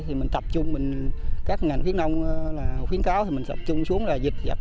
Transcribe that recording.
thì mình tập trung các ngành khuyến nông khuyến cáo thì mình tập trung xuống là dịch gặp